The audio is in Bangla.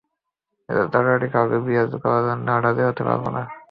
আমি এত তাড়াতাড়ি কাউকে বিয়ে করার জন্য, রাজি হতে পারবো না।